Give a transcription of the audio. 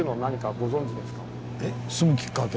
えっ住むきっかけ？